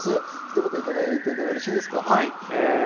ひと言、言っていただいてよろしいですか？